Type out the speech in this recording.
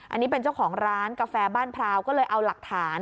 อันนี้เป็นเจ้าของร้านกาแฟบ้านพราวก็เลยเอาหลักฐาน